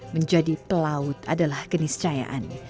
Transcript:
menjadi pelaut adalah keniscayaan